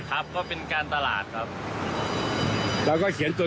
ครับก็เป็นการตลาดครับแล้วก็เขียนตัว